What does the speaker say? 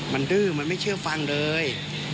มันดื้อมันไม่เชื่อฟังเลย